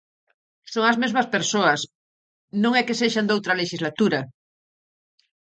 E son as mesmas persoas, non é que sexan doutra lexislatura.